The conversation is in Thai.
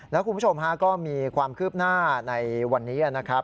แล้วคุณผู้ชมฮะก็มีความคืบหน้าในวันนี้นะครับ